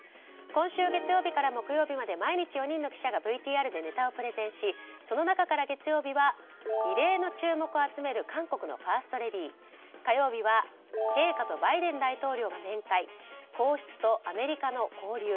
今週月曜日から木曜日まで毎日４人の記者がＶＴＲでネタをプレゼンしその中から月曜日は異例の注目を集める韓国のファーストレディー火曜日は陛下とバイデン大統領が面会皇室とアメリカの交流。